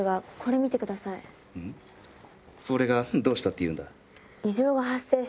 フォれがどうしたっていうんだ？